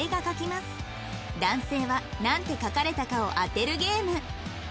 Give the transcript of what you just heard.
男性はなんて書かれたかを当てるゲーム